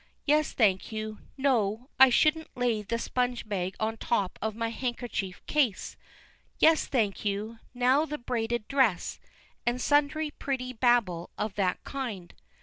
Yes; thank you no, I shouldn't lay the sponge bag on the top of my handkerchief case. Yes; thank you now the braided dress;" and sundry pretty babble of that kind.